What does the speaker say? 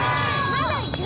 まだいく？